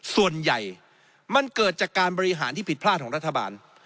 ส่วนใหญ่มันเกิดจากการบริหารที่ผิดพลาดของรัฐบาล